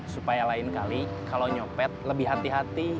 supaya lain kali kalau nyopet lebih hati hati